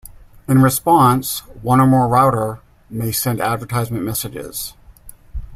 In response, one or more router may send advertisement messages.